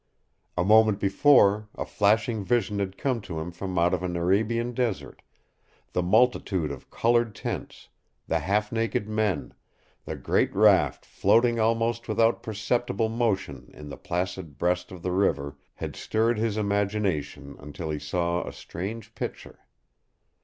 A moment before, a flashing vision had come to him from out of an Arabian desert; the multitude of colored tents, the half naked men, the great raft floating almost without perceptible motion on the placid breast of the river had stirred his imagination until he saw a strange picture.